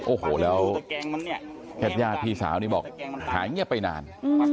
โอ้โหแล้วยาดพี่สาวนี่บอกหายเงียบไปนาน